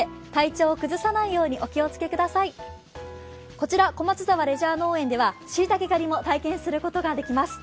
こちら、小松沢レジャー農園ではしいたけ狩りも体験することができます。